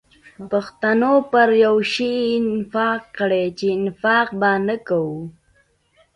پښتنو پر یو شی اتفاق کړی چي اتفاق به نه کوو.